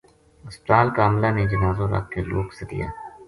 ہسپتال کا عملہ نے جنازو رکھ کے لوک سدیا